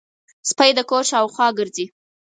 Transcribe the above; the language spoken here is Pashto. سپي د کور شاوخوا ګرځي.